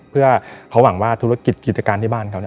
เพื่อเขาหวังว่าธุรกิจกิจการที่บ้านเขา